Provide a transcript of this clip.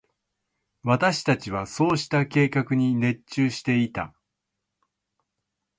私達はそうした計画に熱中していた。